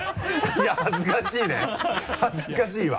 いや恥ずかしいね恥ずかしいわ。